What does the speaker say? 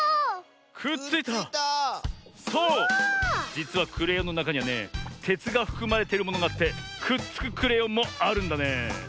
じつはクレヨンのなかにはねてつがふくまれてるものがあってくっつくクレヨンもあるんだね。